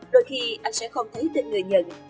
đôi khi anh sẽ không thấy tên người nhận